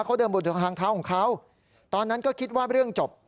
เขาเดินบนทางเท้าของเขาตอนนั้นก็คิดว่าเรื่องจบ